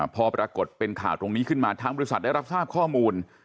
พอปรากฏเป็นข่าวตรงนี้ขึ้นมาทางบริษัทได้รับทราบข้อมูล